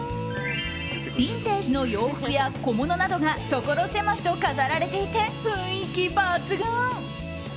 ビンテージの洋服や小物などが所狭しと飾られていて雰囲気抜群。